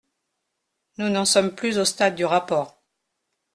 Nous n’en sommes plus au stade du rapport.